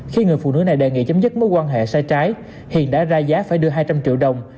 khi người phụ nữ này đề nghị chấm dứt mối quan hệ sai trái hiền đã ra giá phải đưa hai trăm linh triệu đồng